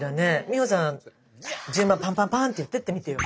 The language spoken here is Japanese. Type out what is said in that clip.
美穂さん順番パンパンパンって言ってってみてよ。